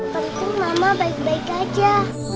penting mama baik baik aja